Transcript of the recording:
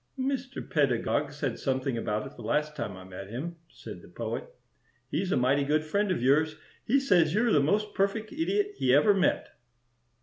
"Mr. Pedagog said something about it the last time I met him," said the Poet. "He's a mighty good friend of yours. He says you are the most perfect Idiot he ever met."